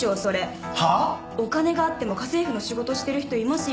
お金があっても家政婦の仕事してる人いますよ。